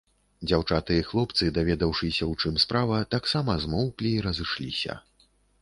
Дзяўчаты і хлопцы, даведаўшыся, у чым справа, таксама змоўклі і разышліся.